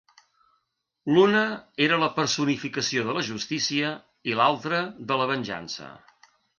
L'una era la personificació de la justícia i l'altra de la venjança.